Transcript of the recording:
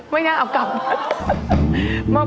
ไม่น่าเอากลับมา